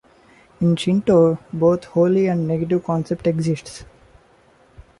In Shinto, both holy and negative concept exists.